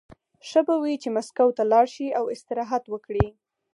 ښه به وي چې مسکو ته لاړ شي او استراحت وکړي